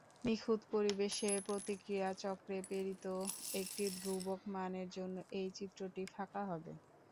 নিখুঁত পরিবেশে প্রতিক্রিয়া চক্রে প্রেরিত একটি ধ্রুবক মানের জন্য এই চিত্রটি ফাঁকা হবে।